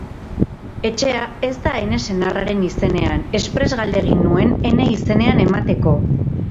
Etxea ez da ene senarraren izenean, espres galdegin nuen ene izenean emateko.